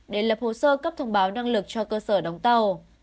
để lập hồ sơ cấp thông báo năng lực cho cơ sở đóng tàu